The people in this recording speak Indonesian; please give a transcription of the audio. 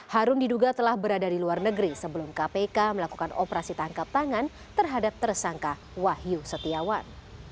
harun diduga telah berada di luar negeri sebelum kpk melakukan operasi tangkap tangan terhadap tersangka wahyu setiawan